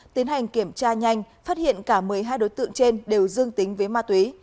tiến hành kiểm tra nhanh phát hiện cả một mươi hai đối tượng trên đều dương tính với ma túy